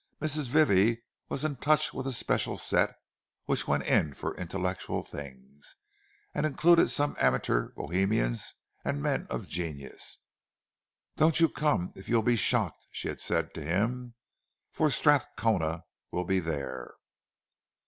Mrs. Vivie was in touch with a special set which went in for intellectual things, and included some amateur Bohemians and men of "genius." "Don't you come if you'll be shocked," she had said to him—"for Strathcona will be there."